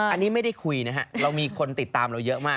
อันนี้ไม่ได้คุยนะฮะเรามีคนติดตามเราเยอะมาก